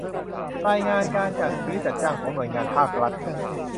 รายงานการจัดซื้อจัดจ้างของหน่วยงานภาครัฐ